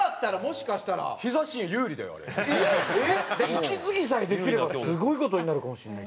息継ぎさえできればすごい事になるかもしれない。